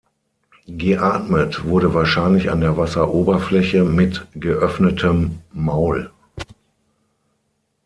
Geatmet wurde wahrscheinlich an der Wasseroberfläche mit geöffnetem Maul.